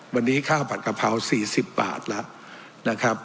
วันนี้ข้าวผัดกะเพรา๔๐บาทแล้ว